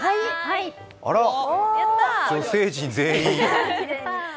あら、女性陣、全員。